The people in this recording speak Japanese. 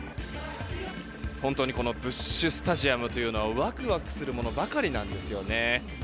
本当にブッシュ・スタジアムというのはワクワクするものばかりなんですよね。